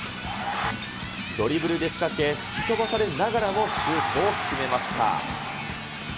ドリブルで仕掛け、吹き飛ばされながらもシュートを決めました。